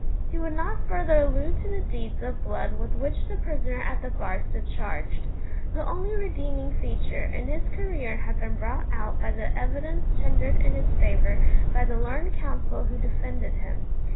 He would not further allude to the deeds of blood with which the prisoner at the bar stood charged. The only redeeming feature in his career had been brought out by the evidence tendered in his favour by the learned counsel who defended him.